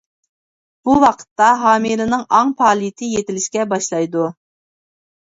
بۇ ۋاقىتتا، ھامىلىنىڭ ئاڭ پائالىيىتى يېتىلىشكە باشلايدۇ.